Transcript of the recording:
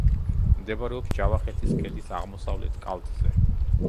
მდებარეობს ჯავახეთის ქედის აღმოსავლეთ კალთზე.